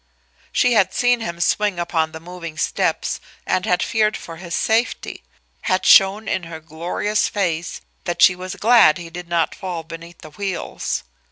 She had seen him swing upon the moving steps and had feared for his safety had shown in her glorious face that she was glad he did not fall beneath the wheels.